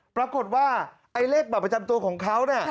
ปรากฏว่าไอ้เลขบัตรประจำตัวของเขาเนี่ย